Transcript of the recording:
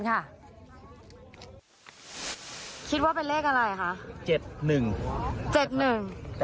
คิดว่าเป็นเลขอะไรคะ